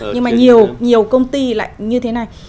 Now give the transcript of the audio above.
nhưng mà nhiều công ty lại như thế này